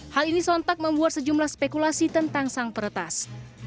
hal ini sontak membuat sejumlah spekulasi tentang sang peretas